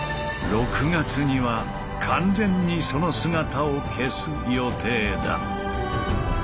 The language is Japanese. ６月には完全にその姿を消す予定だ。